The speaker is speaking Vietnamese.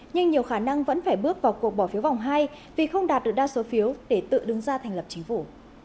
nhưng nhiều khả năng vẫn phải bước vào cuộc bỏ phiếu vòng hai vì không đạt được đa số phiếu để tự đứng ra thành lập chính phủ